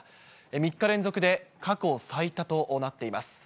３日連続で過去最多となっています。